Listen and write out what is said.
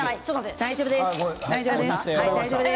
大丈夫です。